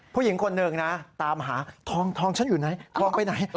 ผู้หญิงคนหนึ่งนะตามหาทองฉันอยู่ไหนทองไปไหน